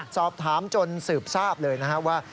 สอบถามจนสืบทราบเลยนะครับว่า